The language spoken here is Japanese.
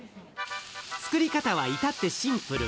作り方は至ってシンプル。